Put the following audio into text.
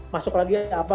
masuk lagi apa